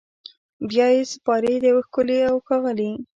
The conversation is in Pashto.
بیا یې سپاري د یو ښکلي اوښاغلي